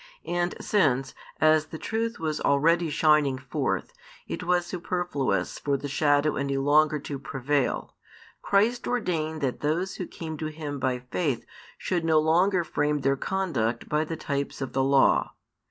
And since, as the truth was already shining forth, it was superfluous for the shadow any longer to prevail, Christ ordained that those who came to Him by faith should no longer frame their conduct by the types |336 of the Law.